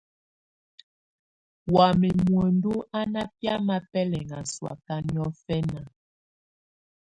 Wamɛ̀́ muǝndù à nà biamɛ̀á bɛlɛŋà sɔ̀áka niɔ̀fɛna.